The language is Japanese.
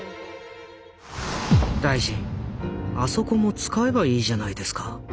「大臣あそこも使えばいいじゃないですか。